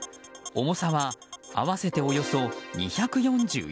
重さは合わせておよそ２４４ｋｇ。